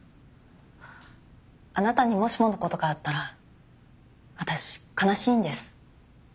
あなたにもしもの事があったら私悲しいんです。